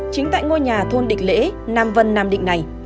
chính tại ngôi nhà thôn địch lễ nam vân nam định này